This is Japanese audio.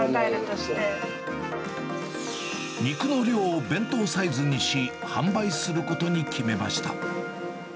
肉の量を弁当サイズにし、販売することに決めました。